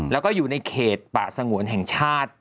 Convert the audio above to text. แล้วก็อยู่ในเขตป่าสงวนแห่งชาติ